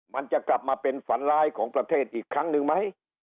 มันจะกลับมาเป็นฝันร้ายของประเทศอีกครั้งหนึ่งไหม